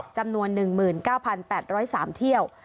จำนวน๑๙๘๐๓เที่ยว